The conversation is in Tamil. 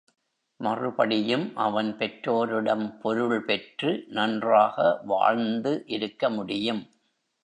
மறுபடியும் அவன் பெற்றோரிடம் பொருள் பெற்று நன்றாக வாழ்ந்து இருக்க முடியும்.